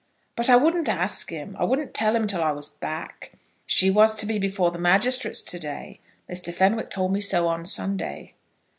"But I wouldn't ask him. I wouldn't tell him till I was back. She was to be before the magistrates to day. Mr. Fenwick told me so on Sunday."